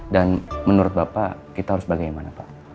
dan menurut bapak kita harus bagaimana pak